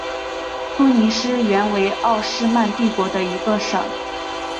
突尼斯原为奥斯曼帝国的一个省。